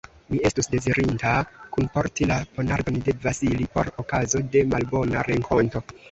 Mi estus dezirinta kunporti la ponardon de Vasili, por okazo de malbona renkonto.